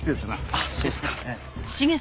あっそうすか。